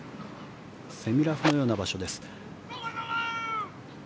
セミラフのような場所です。